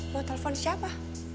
mau telfon siapa